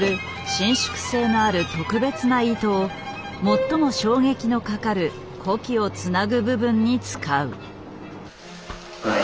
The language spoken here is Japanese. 伸縮性のある特別な糸を最も衝撃のかかる子機をつなぐ部分に使う。